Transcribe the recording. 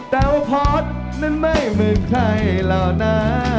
แต่ว่าพอสนั้นไม่เหมือนใครเหล่านะ